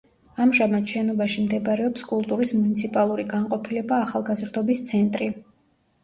ამჟამად შენობაში მდებარეობს კულტურის მუნიციპალური განყოფილება „ახალგაზრდობის ცენტრი“.